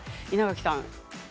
稲垣さん。